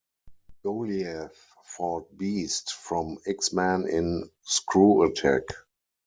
Goliath fought Beast from "X-Men" in ScrewAttack!